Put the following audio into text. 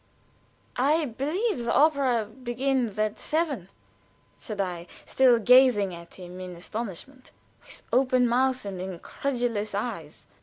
"I believe the opera begins at seven," said I, still gazing at him in astonishment, with open mouth and incredulous eyes.